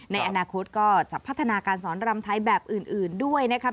ในอนาคตก็จะพัฒนาการสอนรำไทยแบบอื่นด้วยนะครับ